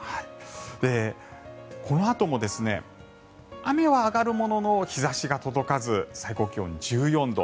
このあとも雨は上がるものの日差しが届かず最高気温１４度。